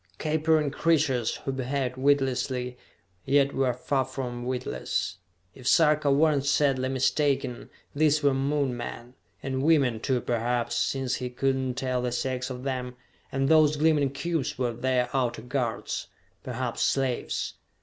Capering creatures, who behaved witlessly, yet were far from witless. If Sarka were not sadly mistaken, these were Moon men and women, too, perhaps, since he could not tell the sex of them and those gleaming cubes were their outer guards, perhaps slaves.